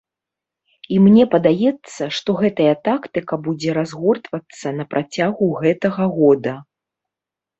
І мне падаецца, што гэтая тактыка будзе разгортвацца на працягу гэтага года.